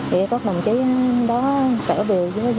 để các đồng chí đó trở về với gia đình nhanh hơn